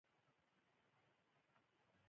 افغانستان د باران کوربه دی.